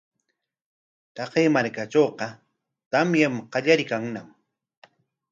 Taqay markatrawqa tamyar qallariykanñam.